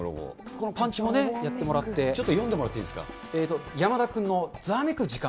このパンチもね、やってもらちょっと読んでもらっていいえーと、山田君のざわめく時間。